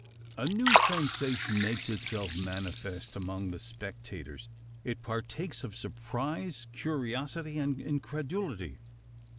A new "sensation" makes itself manifest among the spectators. It partakes of surprise, curiosity, and incredulity.